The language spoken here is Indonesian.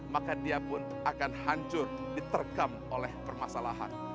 maka dia pun akan hancur diterkam oleh permasalahan